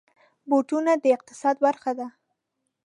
بوټونه د اقتصاد برخه ده.